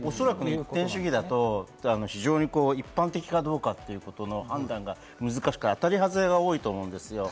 一点主義だと一般的かどうかという判断が難しくて、当たり外れが多いと思うんですよ。